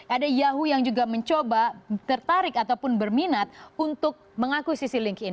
ada yahoo yang juga mencoba tertarik ataupun berminat untuk mengakuisisi linkedin